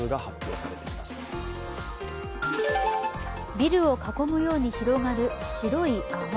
ビルを囲むように広がる白い泡。